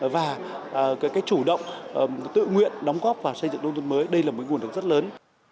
và cái chủ động tự nguyện đóng góp vào xây dựng nông thôn mới đây là một nguồn lực rất lớn